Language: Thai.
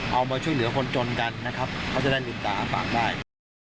มาช่วยเหลือคนจนกันนะครับเขาจะได้ลืมตาอ้าปากได้